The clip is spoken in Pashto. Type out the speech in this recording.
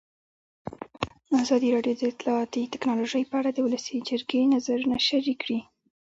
ازادي راډیو د اطلاعاتی تکنالوژي په اړه د ولسي جرګې نظرونه شریک کړي.